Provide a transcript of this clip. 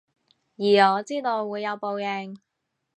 而我知道會有報應